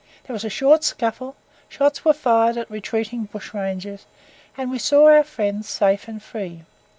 There was a short scuffle, shots were fired at retreating bushrangers, and we saw our friends safe and free.